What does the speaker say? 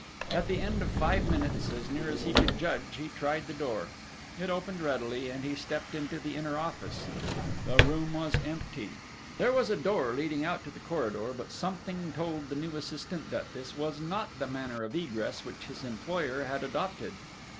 At the end of five minutes, as near as he could judge, he tried the door. It opened readily and he stepped into the inner office. The room was empty. There was a door leading out to the corridor, but something told the new assistant that this was not the manner of egress which his employer had adopted.